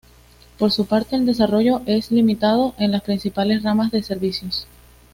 Por su parte, el desarrollo es limitado en las principales ramas de servicios.